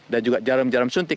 dan juga jarum jarum suntik